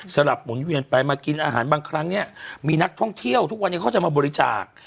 หลับหมุนเวียนไปมากินอาหารบางครั้งเนี่ยมีนักท่องเที่ยวทุกวันนี้เขาจะมาบริจาค